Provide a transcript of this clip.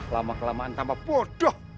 lama kelamaan semakin bodoh